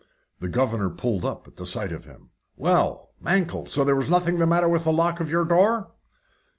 The governor pulled up at the sight of him. "Well, Mankell, so there was nothing the matter with the lock of your door?"